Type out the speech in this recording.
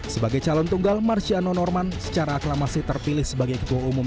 sebagai calon tunggal marciano norman secara aklamasi terpilih sebagai ketua umum